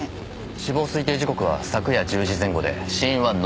死亡推定時刻は昨夜１０時前後で死因は脳挫傷。